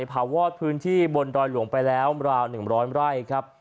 เผาวอดพื้นที่บนดอยหลวงไปแล้วราว๑๐๐ไร่ครับ